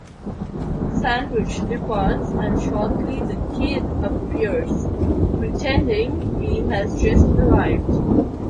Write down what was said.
Sandridge departs and shortly the Kid appears, pretending he has just arrived.